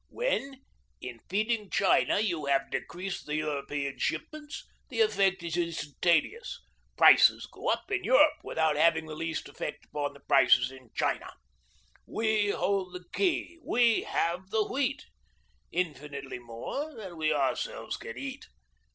When in feeding China you have decreased the European shipments, the effect is instantaneous. Prices go up in Europe without having the least effect upon the prices in China. We hold the key, we have the wheat, infinitely more than we ourselves can eat.